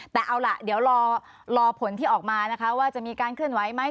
แต่เอาล่ะเดี๋ยวรอผลที่ออกมานะคะว่าจะมีการเคลื่อนไหวไหม